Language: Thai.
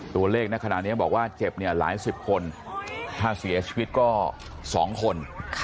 ตัวเลขบอกว่าเจ็บหลายสิบคนถ้าเสียชีวิตก็สองคน